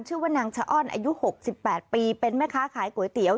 ชื่อว่านางชะอ้อนอายุ๖๘ปีเป็นแม่ค้าขายก๋วยเตี๋ยว